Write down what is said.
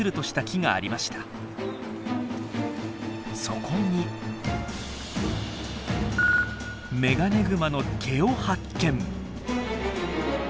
そこにメガネグマの毛を発見。